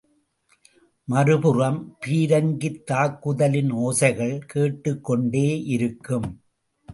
மறுபுறம் பீரங்கித் தாக்குதலின் ஓசைகள் கேட்டுக் கொண்டே இருக்கும்.